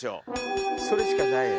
それしかないやん。